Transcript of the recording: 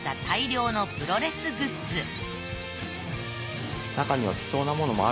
大量のプロレスグッズ